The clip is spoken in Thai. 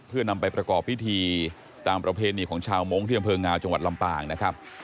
เพื่อนำไปประกอบพิธีตามประเพณีของชาวมงค์ที่อำเภองาวจังหวัดลำปางนะครับ